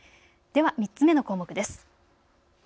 では３つ目の項目です。